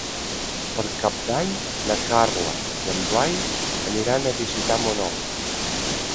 Per Cap d'Any na Carla i en Blai aniran a visitar mon oncle.